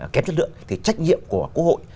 kém chất lượng thì trách nhiệm của quốc hội